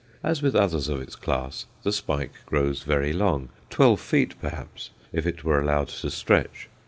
As with others of its class, the spike grows very long, twelve feet perhaps, if it were allowed to stretch.